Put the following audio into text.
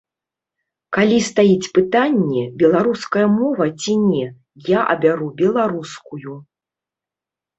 Калі стаіць пытанне, беларуская мова ці не, я абяру беларускую.